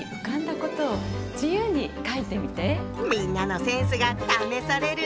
みんなのセンスが試されるねぇ。